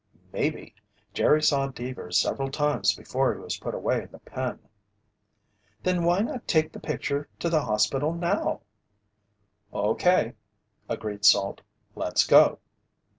"Maybe. Jerry saw Deevers several times before he was put away in the pen." "Then why not take the picture to the hospital now?" "Okay," agreed Salt. "Let's go."